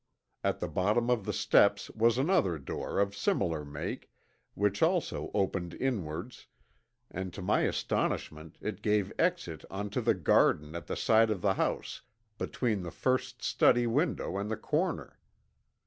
At the bottom of the steps was another door of similar make, which also opened inwards, and to my astonishment it gave exit onto the garden at the side of the house between the first study window and the corner.